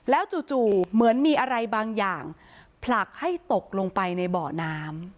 จู่เหมือนมีอะไรบางอย่างผลักให้ตกลงไปในเบาะน้ำ